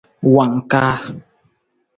Wangkaa.